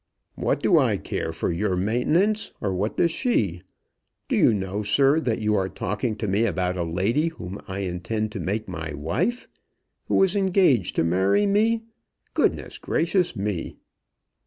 "What do I care for your maintenance, or what does she? Do you know, sir, that you are talking to me about a lady whom I intend to make my wife, who is engaged to marry me? Goodness gracious me!"